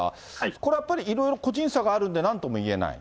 これはやっぱりいろいろ個人差があるのでなんとも言えない。